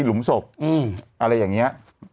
หลุมศพอะไรอย่างนี้